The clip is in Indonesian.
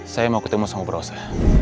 saya mau ketemu seorang berose